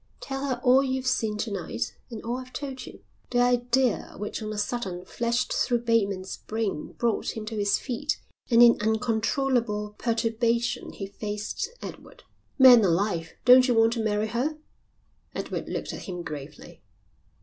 Tell her all you've seen to night and all I've told you." The idea which on a sudden flashed through Bateman's brain brought him to his feet and in uncontrollable perturbation he faced Edward. "Man alive, don't you want to marry her?" Edward looked at him gravely.